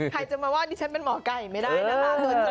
ใครจะมาว่าดิฉันเป็นหมอไก่ไม่ได้นะคะ